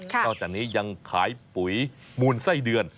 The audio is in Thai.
นอกจากนี้ยังขายปุ๋ยมูลไส้เดือน